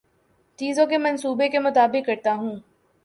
چیزوں کے منصوبے کے مطابق کرتا ہوں